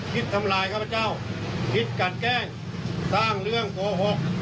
ทำลายข้าพเจ้าคิดกันแกล้งสร้างเรื่องโกหก